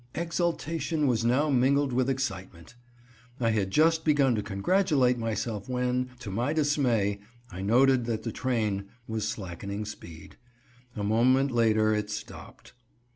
Exultation was now mingled with excitement. I had just begun to congratulate myself when, to my dismay, I noted that the train was slackening speed. A moment later it stopped.